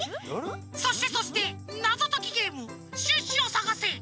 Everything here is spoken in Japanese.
そしてそして「なぞときゲームシュッシュをさがせ」